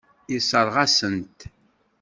Yessṛeɣ-as-tent.